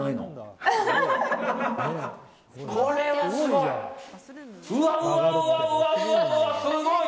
これはすごい！